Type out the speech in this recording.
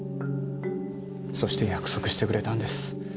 そして約束してくれたんです。